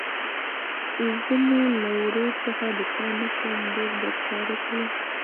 زه مې له ورور څخه دفاع نه کوم ډېر بد کار يې کړى.